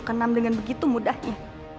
aku sudah ke enam dengan begitu mudahnya